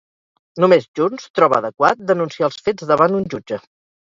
Només Junts troba adequat denunciar els fets davant un jutge.